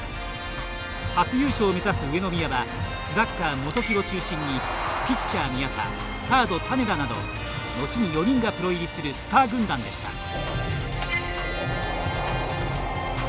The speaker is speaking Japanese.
初優勝を目指す上宮はスラッガー・元木を中心にピッチャー・宮田サード・種田などのちに４人がプロ入りするスター軍団でした。